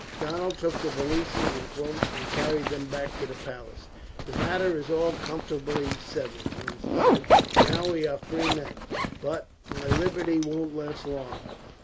Donald took the valises and cloak, and carried them back to the palace. "That matter is all comfortably settled," Lindsay said. "Now we are free men, but my liberty won't last long.